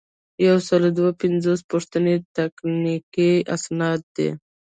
یو سل او دوه پنځوسمه پوښتنه تقنیني اسناد دي.